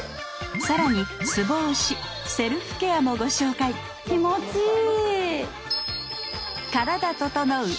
さらにツボ押しセルフケアもご紹介気持ちいい。